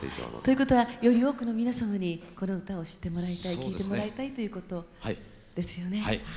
ということはより多くの皆様にこの歌を知ってもらいたい聴いてもらいたいということですよね。